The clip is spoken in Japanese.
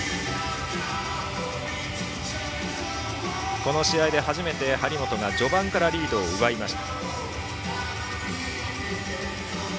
この試合で初めて張本が序盤からリードを奪いました。